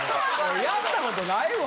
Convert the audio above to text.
やったことないわ。